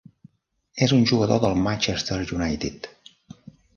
És un jugador del Manchester United.